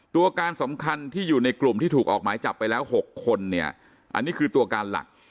ตัวการสำคัญที่อยู่ในกลุ่มที่ถูกออกหมายจับไปแล้ว๖คนเนี่ยอันนี้คือตัวการหลัก